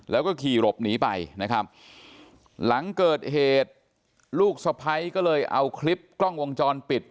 แล้วก็ขี่หลบหนีไปนะครับหลังเกิดเหตุลูกสะพ้ายก็เลยเอาคลิปกล้องวงจรปิด